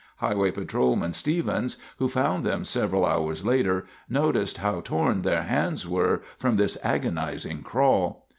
Highway Patrolman Stevens, who found them several hours later, noticed how torn their hands were from this agonizing crawl.